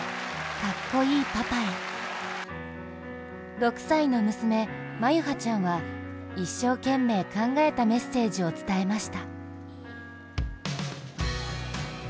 ６歳の娘・眞結羽ちゃんは一生懸命考えたメッセージを伝えました。